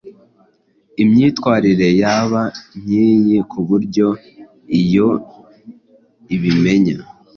Imyitwarire yaba nkiyi, kuburyo ii yoe ibimenya